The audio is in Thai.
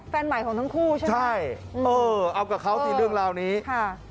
แฟนใหม่ของทั้งคู่ใช่ไหมใช่เออเอากับเขาสิเรื่องราวนี้ค่ะ